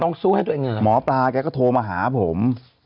ต้องสู้ให้ด้วยยังไงหมอปลาแกก็โทรมาหาผม